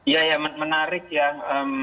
ya ya menarik yang